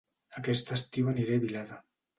Aquest estiu aniré a Vilada